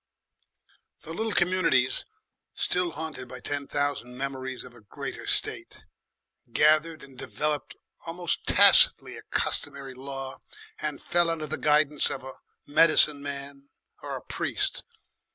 The little communities, still haunted by ten thousand memories of a greater state, gathered and developed almost tacitly a customary law and fell under the guidance of a medicine man or a priest.